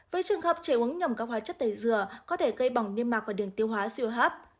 với trường hợp trẻ uống nhầm các hóa chất tẩy dừa có thể gây bỏng niêm mạc và đường tiêu hóa siêu hấp